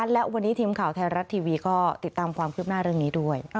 และวันนี้ทีมข่าวไทยรัฐทีวีก็ติดตามความคืบหน้าเรื่องนี้ด้วย